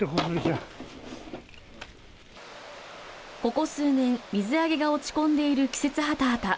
ここ数年、水揚げが落ち込んでいる季節ハタハタ。